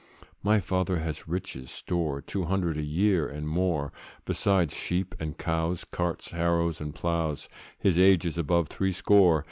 'My father has riches' store, Two hundred a year, and more; Beside sheep and cows, carts, harrows, and ploughs; His age is above threescore.